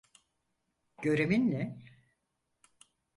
Görevin ne?